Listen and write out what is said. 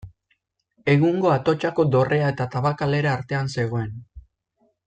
Egungo Atotxako Dorrea eta Tabakalera artean zegoen.